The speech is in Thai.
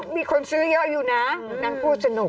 มีคนซื้อเยอะอยู่นะนั่งพูดสนุก